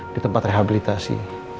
di tempat rehabilitasi